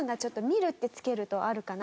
「みる？」って付けるとあるかな。